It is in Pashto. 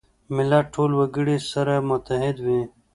ملت ټول وګړي سره متحد وي.